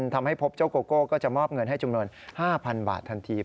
ทำให้พบเจ้าโกโก้ก็จะมอบเงินให้จำนวน๕๐๐บาททันที